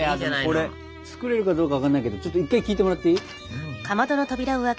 これ作れるかどうか分かんないけどちょっと一回聞いてもらっていい？